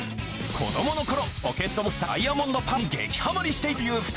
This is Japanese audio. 子どもの頃「ポケットモンスターダイヤモンド・パール」に激ハマりしていたという２人。